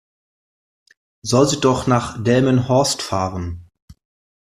Soll sie doch nach Delmenhorst fahren?